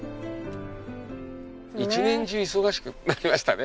一年中忙しくなりましたね。